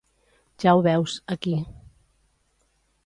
Ja ho veus, aquí.